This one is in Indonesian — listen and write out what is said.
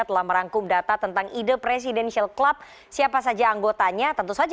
telah merangkum data tentang ide presidensial club siapa saja anggotanya